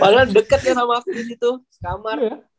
padahal deket ya sama aku gitu sekamar ya